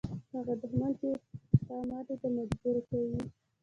هغه دښمن چې تا ماتې ته مجبوره کوي.